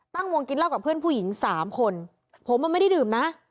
ตั้งวงกินเหล้ากับเพื่อนผู้หญิงสามคนผมมันไม่ได้ดื่มนะ